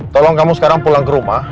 tolong kamu sekarang pulang ke rumah